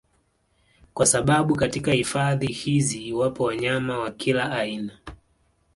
Kwa sababu katika hifadhi hizi wapo wanyama wa kila aina